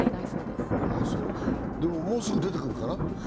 でももうすぐ出てくるかな？